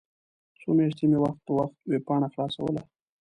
څو میاشتې مې وخت په وخت ویبپاڼه خلاصوله.